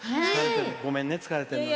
ごめんね、疲れてるのに。